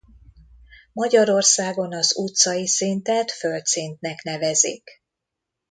Magyarországon az utcai szintet földszintnek nevezik.